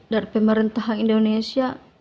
dari pemerintah indonesia